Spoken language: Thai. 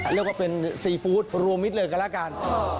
เรียกว่าเป็นซีฟู้ดรวมมิตรเลยกันแล้วกัน